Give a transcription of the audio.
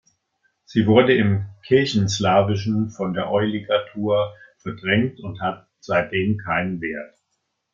Sie wurde im Kirchenslawischen von der Ѹ-Ligatur verdrängt und hat seitdem keinen Wert.